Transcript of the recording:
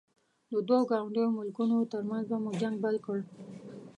د دوو ګاونډیو ملکونو ترمنځ مو جنګ بل کړ.